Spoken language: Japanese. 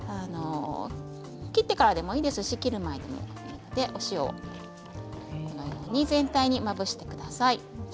切ってからでもいいですし切る前でもいいですのでお塩を全体にまぶしてください。